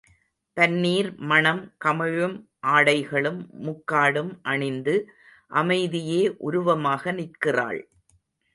பன்னீர் மணம் கமழும் ஆடைகளும், முக்காடும் அணிந்து அமைதியே உருவமாக நிற்கிறாள்.